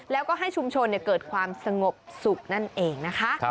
แล้วก็ให้ชุมชนเกิดความสงบสุขนั่นเองนะคะ